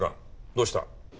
どうした？